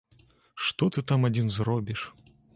Што ты там адзін зробіш?